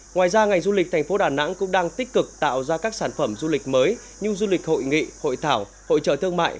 ngoài ra ngành du lịch thành phố đà nẵng cũng đang tích cực tạo ra các sản phẩm du lịch mới như du lịch hội nghị hội thảo hội trợ thương mại